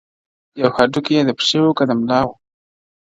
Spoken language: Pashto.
یوهډوکی یې د پښې وو که د ملا وو٫